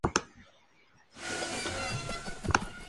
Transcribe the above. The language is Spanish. En el Perú, se produce en botellas tanto de vidrio como de plástico.